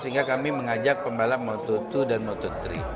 sehingga kami mengajak pembalap moto dua dan moto tiga